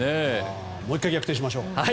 もう１回逆転しましょう！